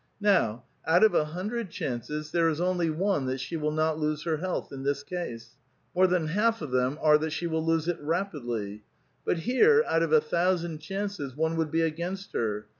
Now, out of a hundred chances, there is only one that she will not lose her health in this case. More than half of them are that she will lose it rapidlj'. But here, out of a thousand chances, one would be against her.